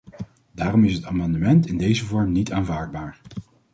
Daarom is het amendement in deze vorm niet aanvaardbaar.